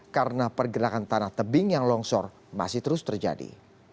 karena pergerakan tanah tebing yang longsor masih terus terjadi